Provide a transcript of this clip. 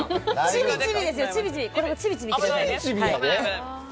ちびちびいってくださいね。